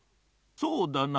そうだな